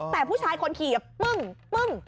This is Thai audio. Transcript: แต่ผู้ชายคนขี่ปึ้งปึ้ง